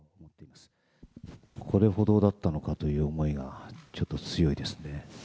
これほどだったのかという思いが、ちょっと強いですね。